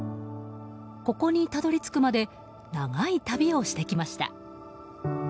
ここにたどり着くまで長い旅をしてきました。